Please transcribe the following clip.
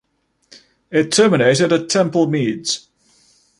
It terminated at Temple Meads.